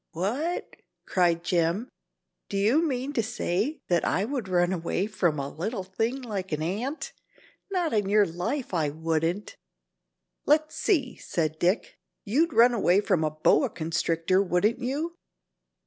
"What?" cried Jim, "do you mean to say that I would run away from a little thing like an ant. Not on your life, I wouldn't." "Let's see," said Dick, "you'd run away from a boa constrictor, wouldn't you?"